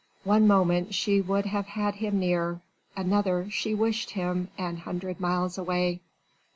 One moment she would have had him near another she wished him an hundred miles away.